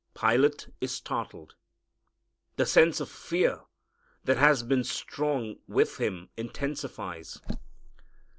Pilate is startled. The sense of fear that has been strong with him intensifies.